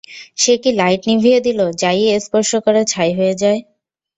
সে কি লাইট নিভিয়ে দিল, যা-ই স্পর্শ করে ছাই হয়ে যায়!